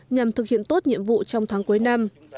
nhằm thực hiện tốt nhiệm vụ trong tháng cuối năm